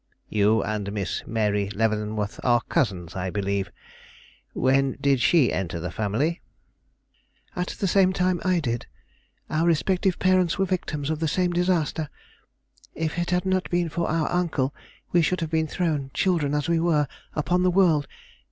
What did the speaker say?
"You and Miss Mary Leavenworth are cousins, I believe. When did she enter the family?" "At the same time I did. Our respective parents were victims of the same disaster. If it had not been for our uncle, we should have been thrown, children as we were, upon the world.